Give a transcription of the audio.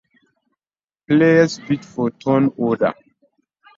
Players bid for turn order.